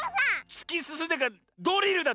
つきすすんでるからドリルだ！